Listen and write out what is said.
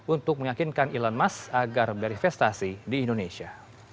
untuk meyakinkan elon musk agar berinvestasi di indonesia